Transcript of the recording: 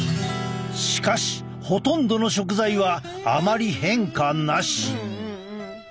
しかしほとんどの食材はあまり変化なし。